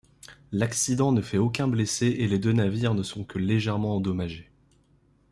L'accident ne fait aucun blessé et les deux navires ne sont que légèrement endommagés.